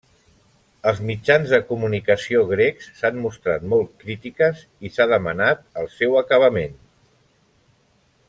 Els mitjans de comunicació grecs s'han mostrat molt crítiques, i s'ha demanat el seu acabament.